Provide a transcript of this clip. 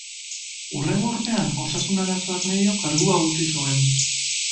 Hurrengo urtean, osasun arazoak medio, kargua utzi zuen.